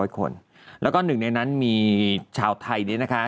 คนแล้วก็หนึ่งในนั้นมีชาวไทยเนี่ยนะคะ